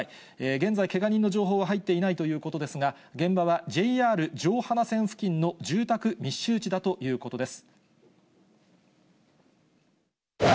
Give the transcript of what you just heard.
現在、けが人の情報は入っていないということですが、現場はＪＲ城端線付近の住宅密集地だということです。